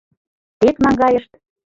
— Тек наҥгайышт.